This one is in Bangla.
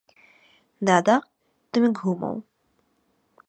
দাদা, তুমি ঘুমোও।